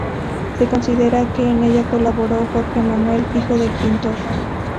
Se considera que en ella colaboró Jorge Manuel, hijo del pintor.